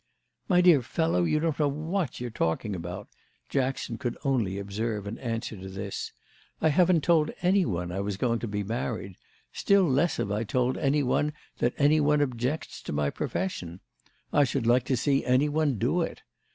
"My dear fellow, you don't know what you're talking about," Jackson could only observe in answer to this. "I haven't told any one I was going to be married—still less have I told any one that any one objects to my profession. I should like to see any one do it.